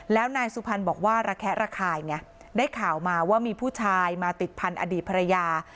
แล้วนายสุพรรณบอกว่าระแคะระคายไงได้ข่าวมาว่ามีผู้ชายมาติดพันธุ์อดีตภรรยา